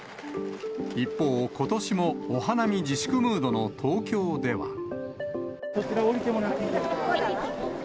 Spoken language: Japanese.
一方、ことしもお花見自粛ムードの東京では。